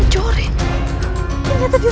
sudah tidak bisa